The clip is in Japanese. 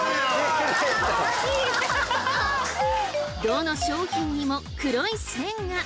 どの商品にも黒い線が！